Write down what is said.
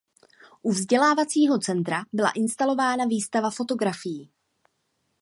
U vzdělávacího centra byla instalována výstava fotografií.